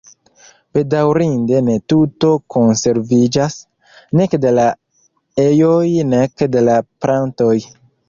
Bedaŭrinde ne tuto konserviĝas, nek de la ejoj nek de la plantoj.